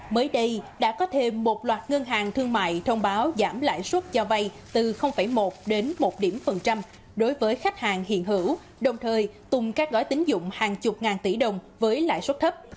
mới đây đã có thêm một loạt ngân hàng thương mại thông báo giảm lãi suất cho vay từ một đến một điểm phần trăm đối với khách hàng hiện hữu đồng thời tung các gói tính dụng hàng chục ngàn tỷ đồng với lãi suất thấp